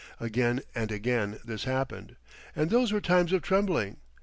Again and again this happened; and those were times of trembling.